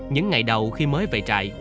những ngày đầu khi mới về trại